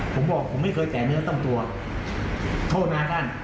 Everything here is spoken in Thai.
ผมบอกผมไม่เคยแตะเนื้อต้องตัวโทษนะท่าน